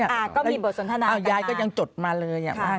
ก็มีบทสนทนายกับนายยายก็ยังจดมาเลย